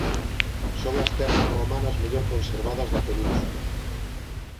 Son as termas romanas mellor conservadas da península.